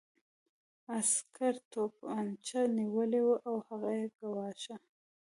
عسکر توپانچه نیولې وه او هغه یې ګواښه